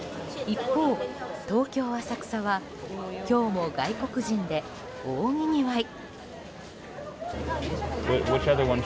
一方、東京・浅草は今日も外国人で大にぎわい。